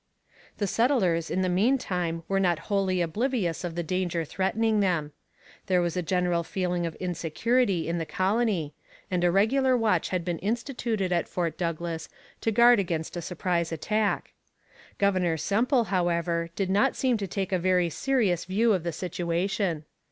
The settlers in the meantime were not wholly oblivious of the danger threatening them. There was a general feeling of insecurity in the colony, and a regular watch had been instituted at Fort Douglas to guard against a surprise attack. Governor Semple, however, did not seem to take a very serious view of the situation.